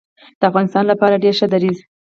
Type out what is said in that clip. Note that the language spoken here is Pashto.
د افغانستان لپاره ډیر ښه دریځ